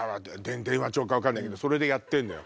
電話帳か分かんないけどそれでやってんのよ。